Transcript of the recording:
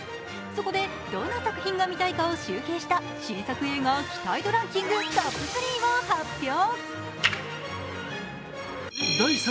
そこで、どの作品が見たいかを集計した新作映画期待度ランキングトップ３を発表。